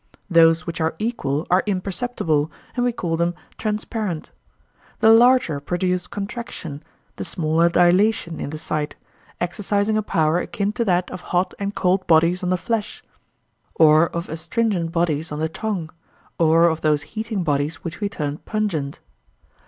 Those which are equal are imperceptible, and we call them transparent. The larger produce contraction, the smaller dilation, in the sight, exercising a power akin to that of hot and cold bodies on the flesh, or of astringent bodies on the tongue, or of those heating bodies which we termed pungent.